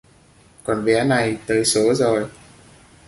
Còn bé này tới số rồi